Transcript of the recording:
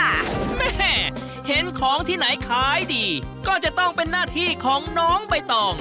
แม่เห็นของที่ไหนขายดีก็จะต้องเป็นหน้าที่ของน้องใบตอง